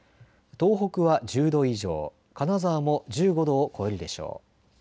東北は１０度以上金沢も１５度を超えるでしょう。